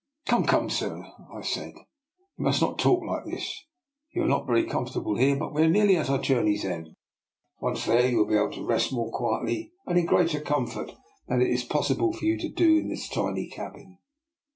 " Come, come, sir," I said, " you must not talk like this. You are not very comfortable here, but we are nearly at our journey's end. Once there, you will be able to rest more quietly and in greater comfort than it is pos sible for you to do in this tiny cabin."